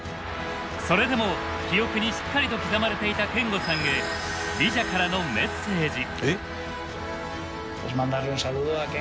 それでも記憶にしっかりと刻まれていた憲剛さんへすごい！メッセージ！